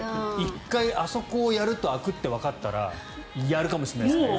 １回あそこをやるってわかったらやるかもしれないですね。